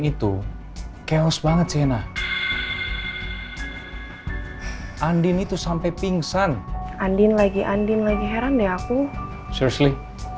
itu chaos banget sena andin itu sampai pingsan andin lagi andin lagi heran deh aku sursley